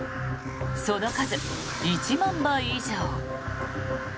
その数、１万羽以上。